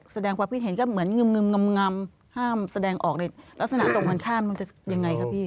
แสดงความคิดเห็นก็เหมือนงึมงึมงำห้ามแสดงออกเลยลักษณะตรงกันข้ามมันจะยังไงคะพี่